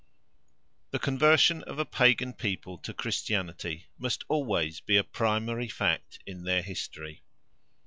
The conversion of a Pagan people to Christianity must always be a primary fact in their history.